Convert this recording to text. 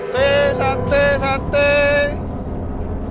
teh sateh sateh